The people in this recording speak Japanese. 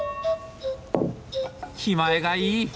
気前がいい！